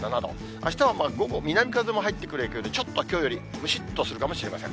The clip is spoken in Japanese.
あしたは午後、南風も入ってくる影響で、ちょっときょうよりむしっとするかもしれません。